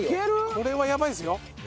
これはやばいですよ。